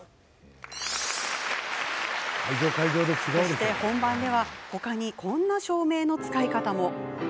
そして本番では他に、こんな照明の使い方も。